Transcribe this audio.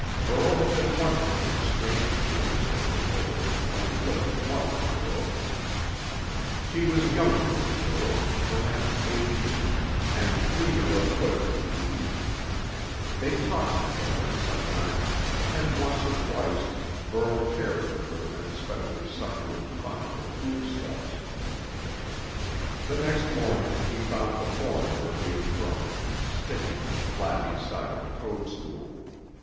Burl had been wondering at the strange feelings that came over him when he looked at one of the girls. She was younger than Burl perhaps eighteen and fleeter of foot than he. They talked together, sometimes, and once or twice Burl shared with her an especially succulent find of foodstuffs. The next morning he found the horn where he had thrown it, sticking in the flabby side of a toadstool.